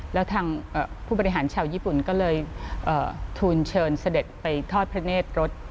แล้วทางผู้บริหารชาวญี่ปุ่นก็เลยทูลเชิญเสด็จไปทอดพระเนธรถ